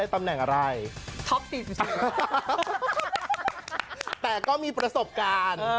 แต่ก็มีประสบการณ์